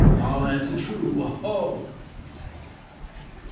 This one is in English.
I'll answer true, 0 ho !" he said.